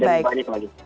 dan banyak lagi